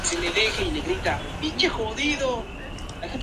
Su ídolo era Randy "Macho Man" Savage.